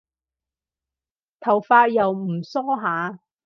頭髮又唔梳下